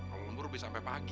kalau lembur bisa sampai pagi